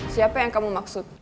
siapa yang kamu maksud